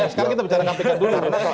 sekarang kita bicara kpk dulu